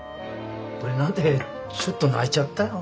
俺なんてちょっと泣いちゃったよ。